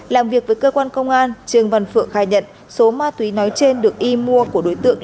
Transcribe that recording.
làm việc với cơ quan công an trương văn phượng khai nhận số ma túy nói trên được y mua của đối tượng